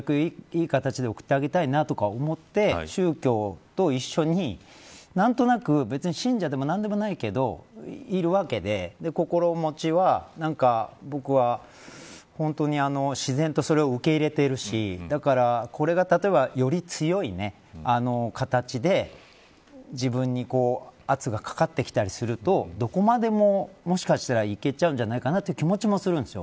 いい形で送ってあげないなとか思っていて宗教と一緒に何となく別に信者でも何でもないけどいるわけで心持ちは、僕は本当に自然とそれを受け入れているしだから、これが例えば、より強い形で自分に圧がかかってきたりするとどこまでも、もしかしたらいけちゃうんじゃないかなという気持ちもするんです。